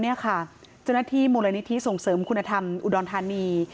เจ้าหน้าที่มูลนิธิส่งเสริมคุณธรรมอุดรธานี